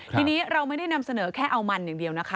ทีนี้เราไม่ได้นำเสนอแค่เอามันอย่างเดียวนะคะ